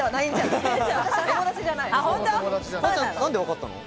何でわかったの？